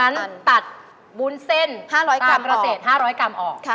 งั้นตัดวุ้นเส้นตามเกษตร๕๐๐กรัมออก